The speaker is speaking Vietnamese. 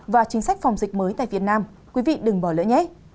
và chính sách phòng dịch mới tại việt nam quý vị đừng bỏ lỡ nhé